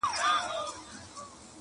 د ژوند مفهوم ورته بدل ښکاري او بې معنا-